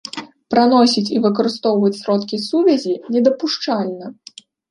Праносіць і выкарыстоўваць сродкі сувязі недапушчальна.